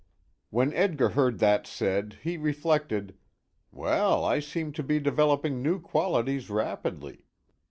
When Edgar heard that said, he reflected: "Well, I seem to be developing new qualities rapidly.